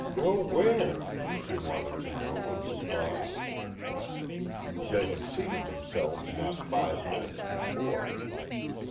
"Go where?" she wanted to know in surprise. They had seated themselves not five minutes before.